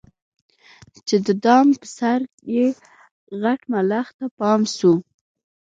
چي د دام پر سر یې غټ ملخ ته پام سو